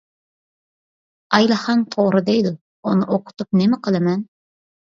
ئايلىخان توغرا دەيدۇ، ئۇنى ئوقۇتۇپ نېمە قىلىمەن.